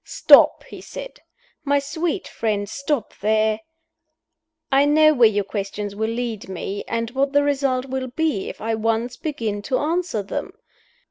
"Stop!" he said. "My sweet friend, stop there! I know where your questions will lead me, and what the result will be if I once begin to answer them.